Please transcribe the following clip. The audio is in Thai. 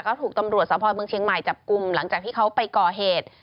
ก็ถูกตำรวจสภเมืองเชียงใหม่จับกลุ่มหลังจากที่เขาไปก่อเหตุ